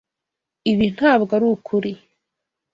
Ibi ntabwo arukuri.